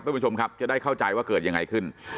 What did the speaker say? คุณผู้ชมครับจะได้เข้าใจว่าเกิดยังไงขึ้น